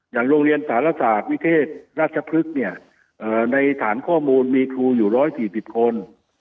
อย่างโรงเรียนสารศาสตร์วิเทศราชพฤษเนี่ยเอ่อในฐานข้อมูลมีครูอยู่ร้อยสี่สิบคน